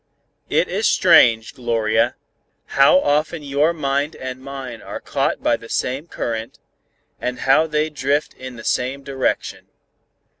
"It is strange, Gloria, how often your mind and mine are caught by the same current, and how they drift in the same direction.